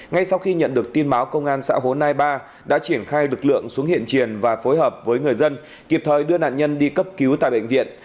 ngay sau khi nhận được tin báo công an xã hồ nai ba đã triển khai lực lượng xuống hiện triển và phối hợp với người dân kịp thời đưa nạn nhân đi cấp cứu tại bệnh viện